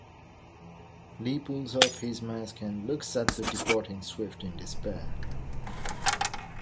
Lee pulls off his mask and looks at the departing Swift in despair.